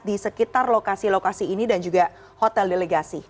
di sekitar lokasi lokasi ini dan juga hotel delegasi